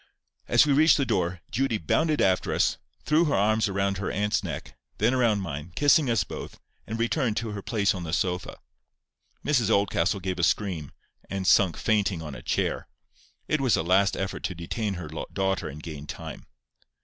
As we reached the door, Judy bounded after us, threw her arms round her aunt's neck, then round mine, kissing us both, and returned to her place on the sofa. Mrs Oldcastle gave a scream, and sunk fainting on a chair. It was a last effort to detain her daughter and gain time.